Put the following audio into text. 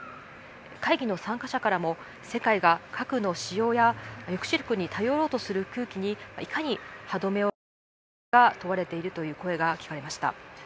会議の参加者からも世界が核の使用や抑止力に頼ろうとする空気にいかに歯止めをかけられるかが問われているという声が聞かれました。